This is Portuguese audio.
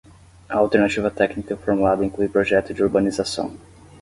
A alternativa técnica formulada inclui projeto de urbanização.